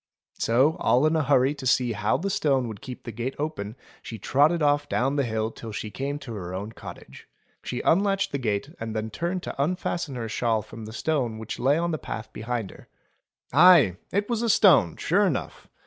So, all in a hurry to see how the stone would keep the gate open she trotted off down the hill till she came to her own cottage. She unlatched the gate and then turned to unfasten her shawl from the stone which lay on the path behind her. Aye ! it was a stone sure enough.